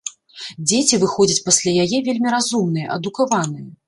Дзеці выходзяць пасля яе вельмі разумныя, адукаваныя.